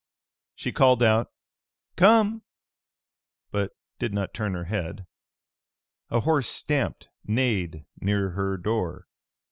She called out, "Come!" but did not turn her head. A horse stamped, neighed near her door.